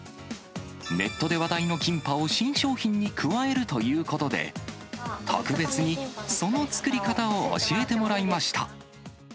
ネットで話題のキンパを新商品に加えるということで、特別にその作り方を教えてもらいました。